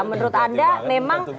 menurut anda memang